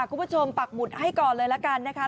คุณผู้ชมปักหมุนให้ก่อนเลยละกันนะคะ